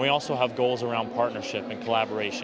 kami juga memiliki tujuan mengenai persahabatan dan kolaborasi